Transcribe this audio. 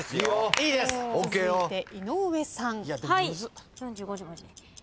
続いて井上さん。